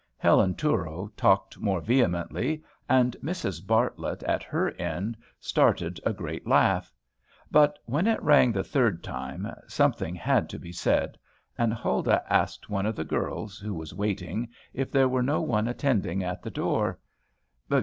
Helen Touro talked more vehemently; and Mrs. Bartlett at her end, started a great laugh. But, when it rang the third time, something had to be said; and Huldah asked one of the girls, who was waiting, if there were no one attending at the door.